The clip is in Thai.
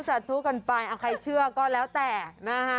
สาธุกันไปเอาใครเชื่อก็แล้วแต่นะฮะ